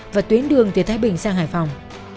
và tuyến đường từ thái bình sang hải phòng